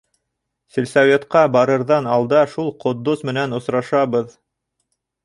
Сельсоветҡа барырҙан алда шул Ҡотдос менән осрашабыҙ.